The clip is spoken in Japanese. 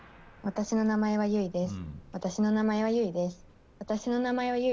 私の名前は、ゆいです。